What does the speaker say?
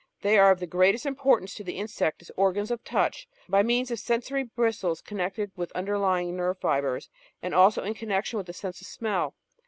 They are of the greatest importance to the insect as organs of touch, by means of sensory bristles connected with underlying nerve fibres, and also in connection with the sense of smell.